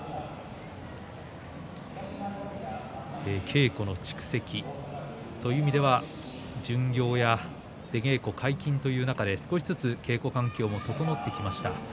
稽古の蓄積、そういう意味では巡業や出稽古解禁という中で少しずつ稽古環境も整ってきました。